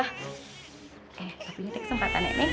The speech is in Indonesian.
eh tapi ini kesempatan nenek